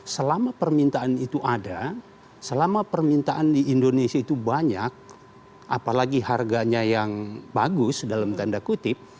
selama permintaan itu ada selama permintaan di indonesia itu banyak apalagi harganya yang bagus dalam tanda kutip